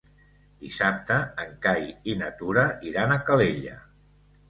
Dissabte en Cai i na Tura iran a Calella.